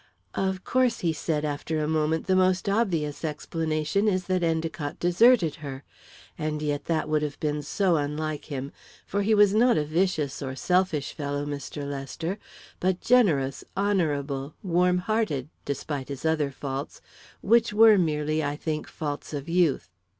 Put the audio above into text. "Of course," he said, after a moment, "the most obvious explanation is that Endicott deserted her; and yet that would have been so unlike him, for he was not a vicious or selfish fellow, Mr. Lester, but generous, honourable, warm hearted, despite his other faults, which were merely, I think, faults of youth.